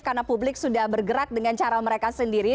karena publik sudah bergerak dengan cara mereka sendiri